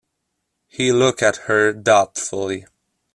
He looked at her doubtfully.